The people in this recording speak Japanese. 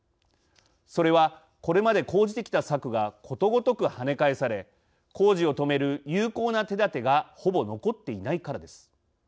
それは、これまで講じてきた策がことごとくはね返され工事を止める有効な手だてがほぼ残っていないからです。